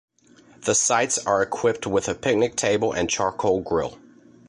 The sites are equipped with a picnic table and charcoal grill.